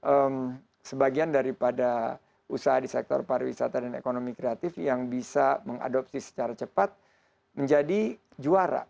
jadi sebagian daripada usaha di sektor pariwisata dan ekonomi kreatif yang bisa mengadopsi secara cepat menjadi juara